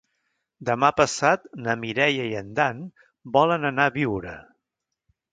Demà passat na Mireia i en Dan volen anar a Biure.